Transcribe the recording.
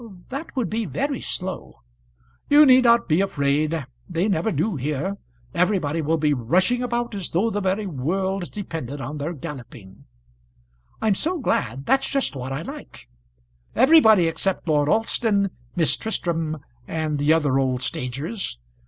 "That would be very slow." "You need not be afraid. They never do here. Everybody will be rushing about as though the very world depended on their galloping." "I'm so glad; that's just what I like." "Everybody except Lord Alston, Miss Tristram, and, the other old stagers.